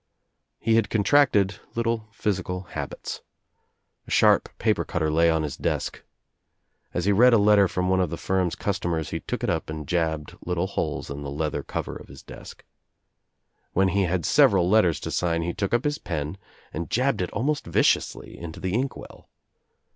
He had contracted little physical habits. A sharp paper cutter lay on his desk. As he read a letter from one of the firm's customers he took it up and jabbed little holes in the leather cover of his desk. When he had several letters to sign he took up his pen and jabbed it almost viciously Into the Inkwell.